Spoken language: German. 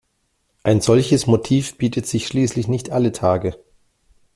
Ein solches Motiv bietet sich schließlich nicht alle Tage.